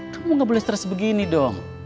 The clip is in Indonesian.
kamu gak boleh stres begini dong